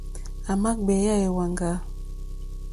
À mà gbèyá èwàŋgá.